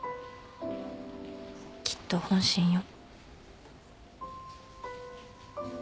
きっと本心よ。